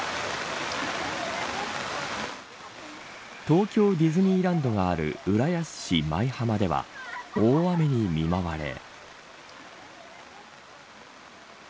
東京ディズニーランドがある浦安市舞浜では大雨に見舞われ。